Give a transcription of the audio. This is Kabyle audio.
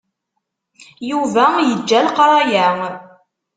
Yuba yeǧǧa leqraya.